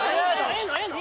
ええの？ええの？